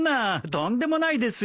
とんでもないですよ。